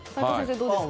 どうですか。